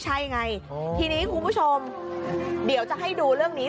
ใช่ไงทีนี้คุณผู้ชมเดี๋ยวจะให้ดูเรื่องนี้